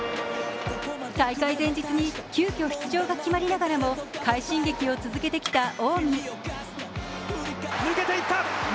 大会前日に急きょ出場が決まりながらも、快進撃を続けてきた近江。